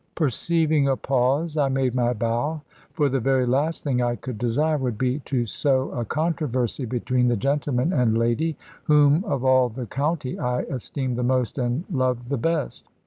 Perceiving a pause, I made my bow; for the very last thing I could desire would be to sow a controversy between the gentleman and lady, whom of all the county I esteemed the most and loved the best.